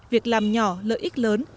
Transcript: việc làm nhỏ lợi ích lớn